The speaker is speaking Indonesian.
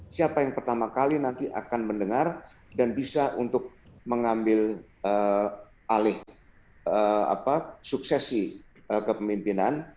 siapa yang pertama kali nanti akan mendengar dan bisa untuk mengambil alih suksesi kepemimpinan